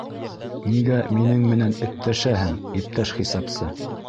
Нигә минең менән эттәшәһең, иптәш хисапсы?